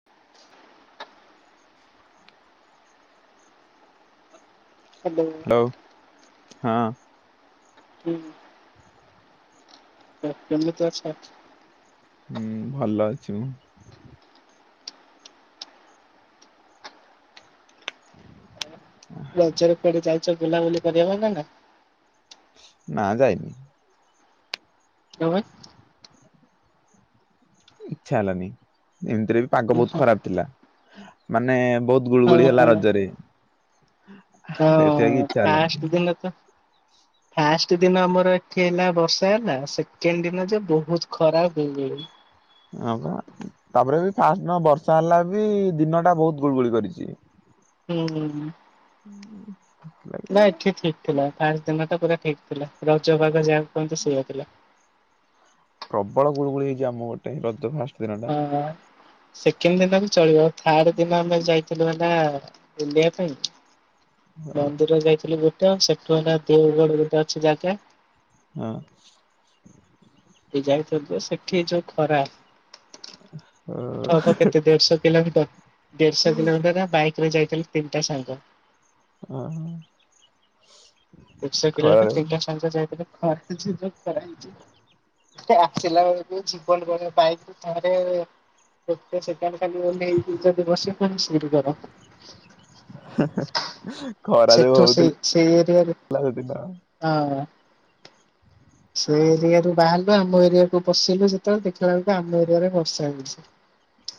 [inaudible] Hello hello ହଁ ହୁଁ କେମିତି ଅଛ ହୁଁ ଭଲ ଅଛି ମୁଁ ରଜରେ କୁଆଡେ ଯାଇଛ ବୁଲାବୁଲି କରିବା ପାଇଁ ନା ନା ଯାଇନି [unintelligible] ଇଚ୍ଛା ହେଲାନି ଏମିତି ରେ ପାଗ ବହୁତ ହଁ ଖରାପ ଥିଲା। ମାନେ ବହୁତ ଗୁଳୁଗୁଳି ହେଲା ରଜରେ। [unintelligible] କାଷ୍ଟ ଦିନ ତ ଫାଷ୍ଟ ଦିନ ଆମର ଏଠି ହେଲା ବର୍ଷା ହେଲା, ସେକେଣ୍ଡ ଦିନ ଯେ ବହୁତ ଖରା ଗୁଳୁଗୁଳି। ହଁ ପା, ତାପରେ ବି ଫାଷ୍ଟ ଦିନ ବର୍ଷା ହେଲା ବି ଦିନଟା ବହୁତ ଗୁଳୁଗୁଳି କରିଛି। ହୁଁ ହୁଁ, ସେଥିଲାଗି ନା ଏଠି ଠିକ୍ ଥିଲା, ଫାଷ୍ଟ ଦିନଟା ପୁରା ଠିକ୍ ଥିଲା, ରଜ ପାଗ ଯାହାକୁ କୁହନ୍ତି ସେଇଆ ଥିଲା। ପ୍ରବଳ ଗୁଳଗୁଳି ହେଇଛି ଆମ ପଟେ, ରଜ ଫାଷ୍ଟ ଦିନ ଟା ହଁ, ସେକେଣ୍ଡ ଦିନ ବି ଚଳିବ, ଥାର୍ଡ ଦିନ ଆମେ ଯାଇ ଥିଲୁ ଘଣ୍ଟା ବୁଲିବା ପାଇଁ, ହଁ। ମନ୍ଦିର ଯାଇଥିଲୁ ବୁ ସେଟା ସେଠୁ ଗୋଟେ ଦେଓଗଡ଼ ଗୋଟେ ଅଛି ଜାଗା। ହଁ, ଏ ଯାଇଥିଲୁ ଯେ ସେଠି ଯୋଉ ଖରା। ଠ କ କେତେ ଦେଢ଼ଶ କିଲୋମିଟର? ଦେଢ଼ଶହ କିଲମିଟର ଆମେ ବାଇକିରେ ଯାଇଥିଲୁ ତିନିଟା ସାଙ୍ଗ। ଓ ହୋ। [unintelligible] କିଲୋମିଟର ତିନିଟା ସାଙ୍ଗ ଯାଇଥିଲୁ, ଖଟିଚି ଯୋଉ ପାଇଚି ଆସିଲା ବେଳକୁ ଜୀବନ ଗଲେ, ବାଇକ୍ ରୁ ଥରେ ଫତ ସେକଣ୍ଡ ଖାଲି ଓଲେହିକି ଯଦି ବସି ପଡ଼ିବୁ, ଶୀଘ୍ର କର। ଖରା ଯୋଉ ସେଠୁ ସେ ହଉଥିଲା ସେଇ ଏରିଆରେ [unintelligible] ହଁ, ସେ ଏରିଆରୁୁ ବାହାରିଲୁ, ଆମ ଏରିଆକୁ ପଶିଲୁ, ଯେତବେଳେ ଦେଖିଲା ବେଳକୁ ଆମ ଏରିଆ ରେ ବର୍ଷା ହଉଛି।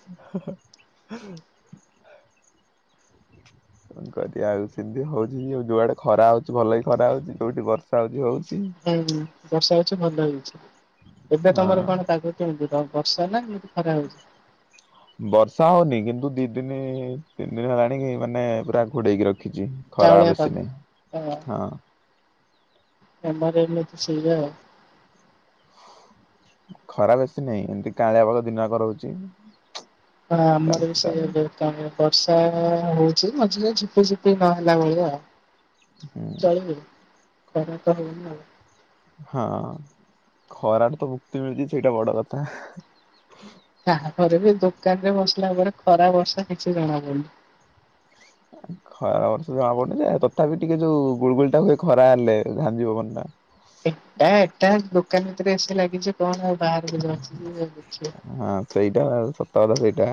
[inaudible] କଣ କରିବା ଆଉ ସେମିତି ହଉଛି, ଯୁଆଡ଼େ ଖରା ହଉଛି ଭଲକି ଖରା ହଉଛି, ଯୋଉଠି ବର୍ଷା ହଉଛି ହଉଛି। ହୁଁ, ବର୍ଷା ଅଛି ଭଲ ହେଇଛି, ଏବେ ତମର ହଁ। କଣ ପାଗ? କେମିତି ବର୍ଷା ନା ଏମିତି ଖରା ହଉଛି? ବର୍ଷା ହଉନି କିନ୍ତୁ ଦି ଦିନ ତିନି ଦିନ ହେଲାଣି ମାନେ ପୁରା ଘୋଡେଇକି ରଖିଛି। ଖରା କାଉଁଳିଆ ପାଗ। ବେଶି ନାହିଁ ହଁ। [unintelligible] ଖରା ବେଶି ନାହିଁ, ଏମିତି କାଉଳିଆ ପାଗ ଦିନ ସାରା ରହୁଛି। ହଁ ଆମର ବି ଚାଲିଛି ତାର ସେୟା ହୁଏ। ତାପରେ ବର୍ଷା ହଉଛି, ମଝିରେ ଝିପି ଝିପି ନ ହେଲା ଭଳିଆ। ହୁଁ ଚଳିବେ, ଖରା ତ ହଉନି ଆଉ। ହଁ, ଖରା ରୁ ତ ମୁକ୍ତି ମିଳୁଛି ସେଇଟା ବଡ଼ କଥା। ତାପରେ ବି ଦୋକାନ ରେ ବସିଲା ପରେ ଖରା ବର୍ଷା କିଛି ଜଣା ପଡୁନି। [unintelligible] ଖରା ବର୍ଷା ଜଣା ପଡ଼ନି ଯେ, ତଥାପି ଟିକେ ଯୋଉ ଗୁଳୁଗୁଳି ଟା ହୁଏ, ଖରା ହେଲେ ଝାଞ୍ଜି ପବନଟା। ଏଟା ଏଟା ଦୋକାନ ଭିତରେ ଏସି ଲାଗିଛି, କଣ ଆଉ ବାହାରକୁ ଜଣା ପଡିବ। [unintelligible] ହଁ ସେଇଟା ସତ କଥା ସେଇଟା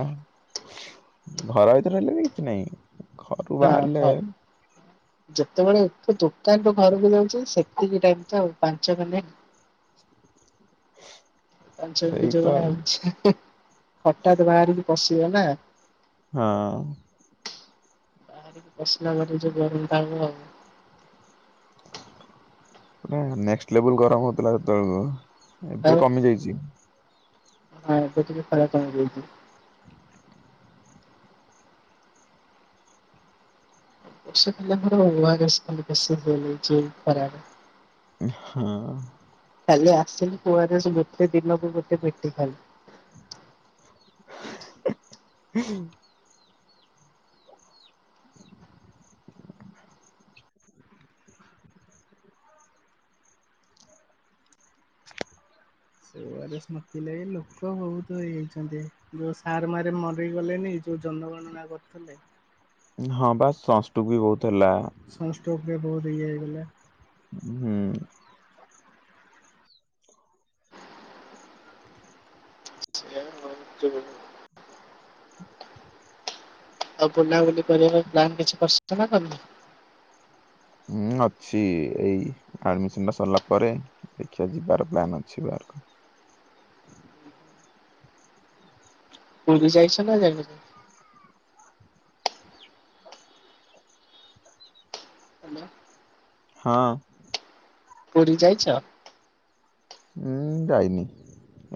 ଘର ଭିତରେ ହେଲେ ବି କିଛି ନାହିଁ। ଘରୁ ହଁ ବାହାରିଲେ ଖ ଯେତେବେଳେ ଏଠୁ ଦୋକାନରୁୁ ଘରକୁ ଯାଉଛି, ସେତିକି ଟାଇମ ତ ପାଞ୍ଚ ମିନି ପାଞ୍ଚ ମିନିଟ ସେଇ ଯୋଉ ତ ଭଳିଆ ହଉଛି। ହଠାତ୍ ବାହାରିକି ପଶିବ ନା। ହଁ। ପଶିଲା ପରେ ଯୋଉ ଗରମ ଟା ହବ। ନେକ୍ସଟ୍ ଲେବୁଲ୍ ଗରମ ହଉଥିଲା ସେତବେଳକୁ, ଏବେ ଆଉ କମି ଯାଇଚି। ହଁ, ଏବେ ଟିକେ ଖରା କମି ଯାଇଚି। [unintelligible] ଉ ହୁଁ। କାଲି ଆସିଲି କୁଆର ଗୋଟେ ଦିନକୁ ଗୋଟେ ପେଟି ଖାଲି। [unintelligible] [unintelligible] ଲୋକ ବହୁତ ହେଇଯାଇଛନ୍ତି ଯୋଉ ସାର୍ ମାର ମରିଗଲେଣିି? ଯୋଉଁ ଜନଗଣନାଁ କରୁଥିଲେ? ହଁ ବା ସଷ୍ଟରଙ୍ଗ ବହୁଟୁ ହେଲା। ସଷ୍ଟକୋ [unintelligible] ବହୁତ ହେଇଯାଇଥିଲା। ହୁଁ। [unintelligible] ଆଉ ବୁଲାବୁଲି କରିବାପାଇଁ ପ୍ଲାନ୍ କିଛି କରିଛନ୍ତି ନାଁ ନାହିଁ? ହୁଁ ଅଛି ଏଇ ଆଡମିସନ ଟା ସରିଲା ପରେ। ଦେଖିବା ଯିବାର ପ୍ଲାନ୍ ଅଛି ବାହାରକୁ। ହୁଁ ପୁରୀ ଯାଇଚ ନା ଯାଇନ? ହଁ। ପୁରୀ ଯାଇଚ? ଉୁଁ ଯାଇନି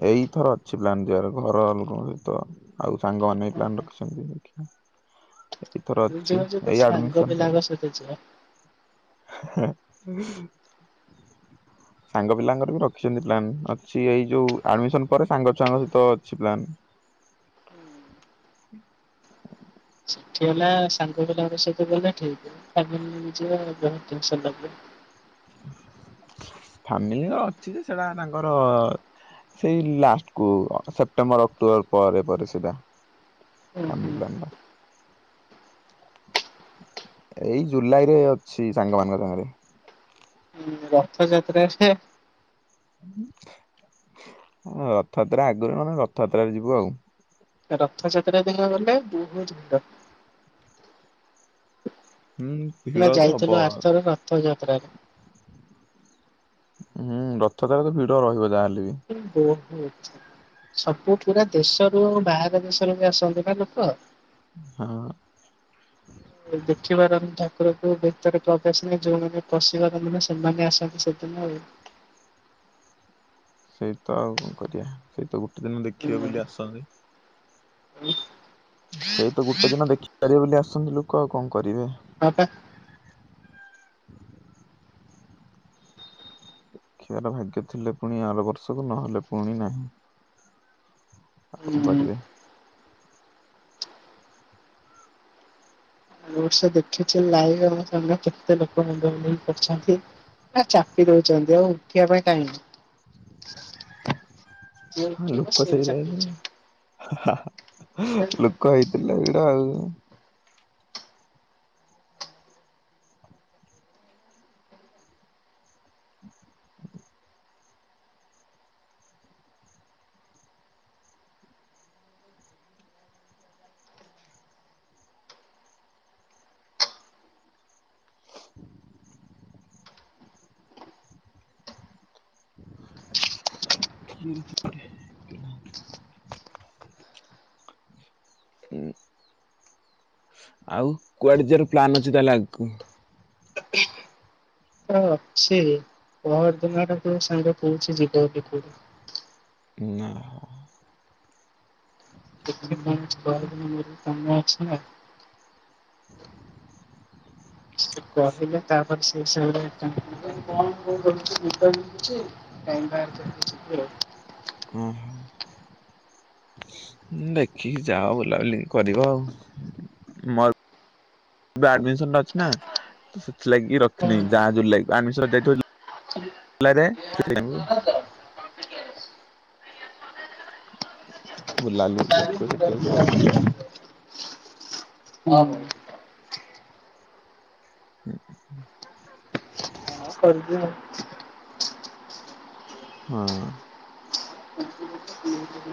ଏଇଥର ଅଛି ପ୍ଲାନ ଯିବାର ଘର ଲୋକଙ୍କ ସହିତ। ଆଉ ସାଙ୍ଗମାନେ ପ୍ଲାନ୍ ରଖିଛନ୍ତି ଦେଖିବା। ଏଇଥର ପୁରୀ ଅଛି ଯିବା ଯଦି ଏଇ ସାଙ୍ଗ ଆଡମିସନ ପିଲାଙ୍କ ସହିତ ଯିବା। ହେଁ ହ ସାଙ୍ଗ ପିଲାଙ୍କର ବି ରଖିଛନ୍ତି ପ୍ଲାନ୍ ଅଛି ଏଇ ଯୋଉ ଆଡମିସନ ପରେ ସାଙ୍ଗ ଛୁଆଙ୍କ ସହିତ ଅଛି ପ୍ଲାନ ଥିଲା ସାଙ୍ଗ ପିଲାଙ୍କ ସହିତ ଗଲେ ଠିକ [unintelligible] ଫ୍ୟାମିଲି ଅଛି ଯେ ସେଟା ତାଙ୍କର ସେଇ ଲାଷ୍ଟ କୁ ସେପ୍ଟେମ୍ବର ଅକ୍ଟୋବର ପରେ ପରେ ସେଇଟା। ଫ୍ୟାମିଲି ପ୍ଲାନ ଟା। ଏଇ ଜୁଲାଇ ରେ ଅଛି ସାଙ୍ଗମାନଙ୍କ ସାଙ୍ଗରେ। ହୁଁ ରଥଯାତ୍ରା ସେ ରଥଯାତ୍ରା ଆଗରୁ ନହେଲେ ରଥଯାତ୍ରାରେ ଯିବୁ ଆଉ। ରଥଯାତ୍ରା ଦିନ ଗଲେ ବହୁତ ସୁନ୍ଦର। ହୁଁ ଭିଡ ଆମେ ତ ହବ ଯାଇଥିଲୁ ଆରଥର ରଥଯାତ୍ରାରେ। ହୁଁ ରଥ ତାର ଭିଡ ରହିବ ଯାହାହେଲେ ବି। [unintelligible] ସବୁ ପୁରା ଦେଶରୁ ବାହାର ଦେଶରୁ ବି ଆସନ୍ତି ନା ଲୋକ। ହଁ। [unintelligible] ଦେଖିପାରନି ଠାକୁରଙ୍କୁ ଭିତରେ ପ୍ରବେଶ ନାହିଁ, ଯୋଉମାନେ ପଶିପାରନ୍ତିଁ ନା ସେମାନେ ଆସନ୍ତି ସେ [unintelligible] ସେଇ ତ ଆଉ କଣ କରିବା ସେଇ ତ ଗୋଟେ ଦିନ ଦେଖିବେ ହୁଁ ବୋଲି ଆସନ୍ତି। [unintelligible] ସେଇ ତ ଗୋଟେ ଦିନ ଦେଖିପାରିବେ ବୋଲି ଆସନ୍ତି ଲୋକ ଆଉ କଣ କରିବେ। ହଁ ତ। ଦେଖିବାର ଭାଗ୍ୟ ଥିଲେ ପୁଣି ଆର ବର୍ଷକୁ ନହେଲେ ପୁଣି ନାହିଁ। ଆଉ କଣ ହୁଁ କରିବେ। ମୁଁ ଏ ବର୍ଷ ଦେଖିଛି ଲାଇଭମ ସାମ୍ନା କେତେ ଲୋକ ମୁଣ୍ଡ ବୁଲେଇ ପଡିଛନ୍ତି। ଏରା ଚାପି ଦଉଛନ୍ତି ଆଉ ଉଠିବା ପାଇଁ ଟାଇମ ନାହିଁ। ଯେ ହଁ ଉଠେଇବ ଲୋକ ସେ ବି ସେଇରା ଚାପିଛି। ଲୋକ ହେଇଥିଲେ ଭିଡ ଆଉ। ହୁଁ ଆଉ କୁଆଡେ ଯିବାର ପ୍ଲାନ୍ ଅଛି ତାହେଲେ ଆଗକୁ? ସେ ପହରଦିନ ର ଯୋଉ ସାଙ୍ଗ କହୁଛିି ଯିବ ବୋଲି ପୁରୀ। ନା ହ। [unintelligible] ସେ କହିଲା ତା ପଛରେ [unintelligible] କଣ କଣ କରୁଛି [unintelligible] ହୁଁ। ଦେଖିକି ଯାଅ ବୁଲାବୁଲି କରିବ ଆଉ। ମ ଆଡିମିସନ ଅଛି ନା। ସେଥିଲାଗି ରଖିନି ଆଉ। ଯାହା [unintelligible] ହଁ ବୁଲାବୁଲି କରି ଆସିବ ସେତେବେଳକୁ ଆଉ। ହଁ ଭାଇ। [unintelligible] [unintelligible] ହୁଁ।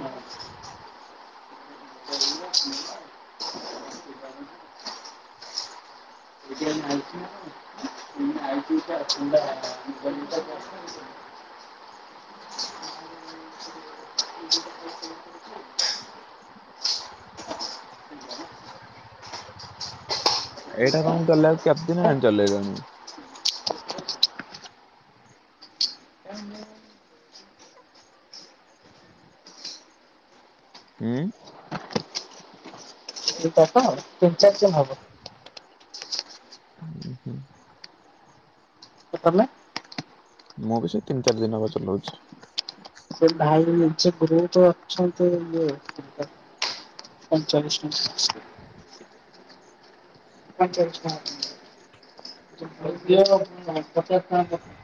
ଆଉ। ଏଇଟା ତ ତିନି [unintelligible] ଏଇଟା ତମକୁ ଚଲେଇବାକୁ କେତେଦିନ ହେଲା ଚଲେଇଲଣି? ଏ ହୁଁ ଏଇଟାତ ତିନି ଚାରି ଜିନ ହବ। ହୁଁ ହୁଁ ତମେ? ମୁଁ ବି ସେ ତିନ ଚାରି ଦିନ ହେବ ଚଲଉଛି। ସେ ଭାଇ ନିଜେ ଗ୍ରୁପ ରେ ଅଛନ୍ତି ଇଏ ପୈଁଚାଳିଶ [unintelligible] [unintelligible]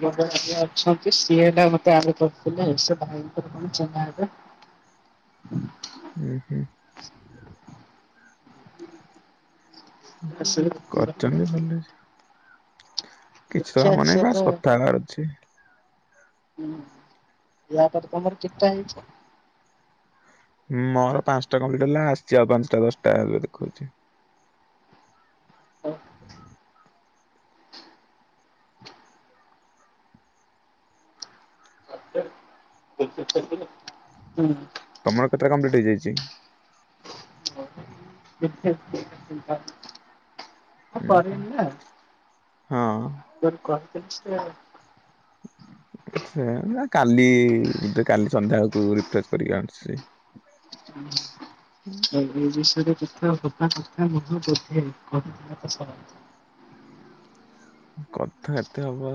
[unintelligible] ଅଛନ୍ତି ସିଏ ହେଲା ମତେ ଆଡ କରିଥିଲେ ଆଉ ସେ ଭାଇଙ୍କର କଣ ଚିଂହା ହେବେ। ହୁଁ ହୁଁ। ଆସିବେ କରଛନ୍ତି ଭଲ ହେଇଛି। କିଛି ତ ଦେଖିଆ କାମ ସିଏ ନାହିଁ ତ ବାସ୍ କଥା ହବାର ଅ ଛି। ହୁଁ ୟା ପରେ ତମର କେତଟା ହେଇଛି? ହୁଁ ମୋର ପାଞ୍ଚଟା କମ୍ପ୍ଲିଟ ହେଲା। ଆସିଛି ଆଉ ପାଞ୍ଚଟା ଦଶଟା ଏବେ ଦେଖଉଛି। [unintelligible] ହୁଁ। ତମର କେତେଟା କମ୍ପ୍ଲିଟ ହେଇଯାଇଛି? [unintelligible] ଦିଟା ତିନଟା। ଉଁ ହୁଁ ହଁ। [unintelligible] କହିଥିଲେ ସେ ହ ସେ ନା କାଲି ବୋଧେ କାଲି ସନ୍ଧ୍ୟାବେଳକୁ ରିଫ୍ରେସ କରିକି [unintelligible] ହୁଁ। ଏ ବିଷୟରେ [unintelligible] କଥା ଏତେ ହଵା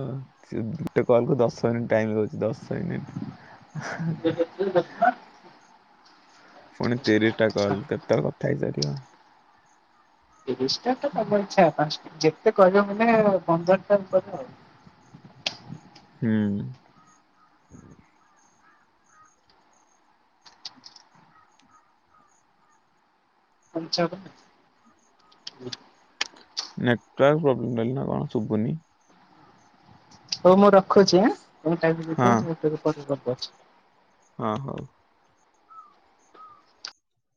ସେ ଗୋଟେ କଲ କୁ ଦଶ ମିନିଟ ଟାଇମ୍ ଦଉଚି ଦଶ ମିନିଟ। ହ [inaudible] ଫୁଣି ତିରିଶ ଟା କଲ କେତେ ଆଉ କଥା ହେଇ ସାରିବ। ତିରିଶ ଟା ତ ତମ ଇଚ୍ଛା ପାଞ୍ଚଟା ଯେତେ କରିବ ମାନେ ପନ୍ଦର ଟା କର ଆଉ। ହୁଁ। [unintelligible] ନେଟୱାର୍କ ପ୍ରୋବ୍ଲେମ୍ ରହିଲା ନା କଣ ଶୁଭୁନି। ହଉ ମୁଁ ରଖୁଛି ଆଁ ତମେ ଖାଇପିଇ ହଁ ଦେଇଥିବ ମୁଁ ଟିକେ ପରେ କଲ୍ କରୁଛି। ହଁ ହଉ।